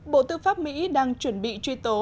bộ tư pháp mỹ đang chuẩn bị truy tố